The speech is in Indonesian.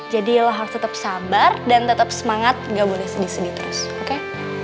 jadi lo harus tetep sabar dan tetep semangat gak boleh sedih sedih terus oke